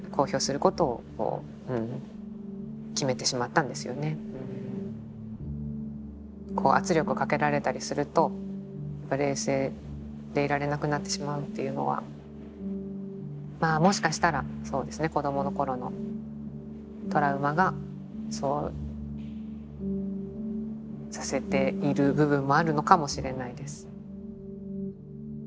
ただなかなかこう圧力をかけられたりすると冷静でいられなくなってしまうっていうのはまあもしかしたらそうですね子供の頃のトラウマがそうさせている部分もあるのかもしれないです。